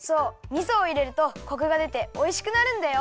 みそをいれるとコクがでておいしくなるんだよ。